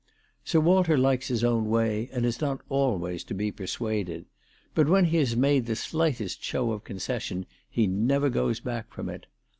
Sir Walter likes his own way, and is not always to be persuaded. But when he has made the slightest show of concession, he never goes back from it.